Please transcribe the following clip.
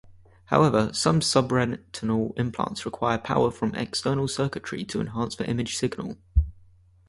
However, some subretinal implants require power from external circuitry to enhance the image signal.